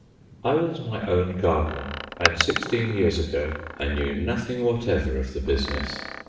I was my own gardener, and sixteen years ago I knew nothing whatever of the business.